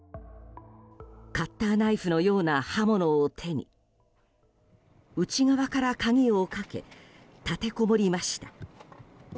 カッターナイフのような刃物を手に内側から鍵をかけ立てこもりました。